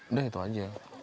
udah itu aja